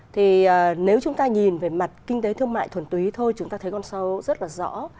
thì nếu chúng ta nhìn về mặt kinh tế thương mại thuần túy thôi chúng ta thấy con sâu rất là rõ